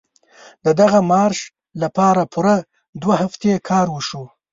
د دغه مارش لپاره پوره دوه هفتې کار وشو.